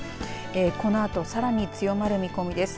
このあとさらに強まる見込みです。